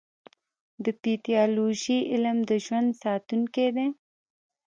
د پیتالوژي علم د ژوند ساتونکی دی.